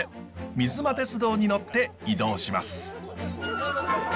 水間鉄道に乗って移動します。